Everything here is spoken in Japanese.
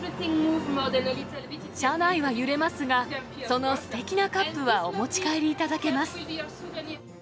車内は揺れますが、そのすてきなカップはお持ち帰りいただけます。